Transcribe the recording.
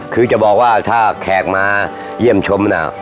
คือจะบอกว่าถ้าแขกมาเยี่ยมชมน่ะ